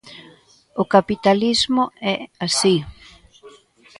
O capitalismo é así.